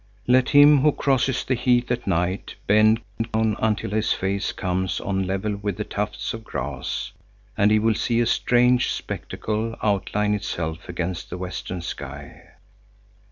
Let him who crosses the heath at night bend clown until his face comes on a level with the tufts of grass, and he will see a strange spectacle outline itself against the western sky.